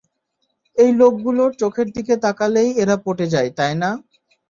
এই লোকগুলোর চোখের দিকে তাকালেই এরা পটে যায়, তাই না?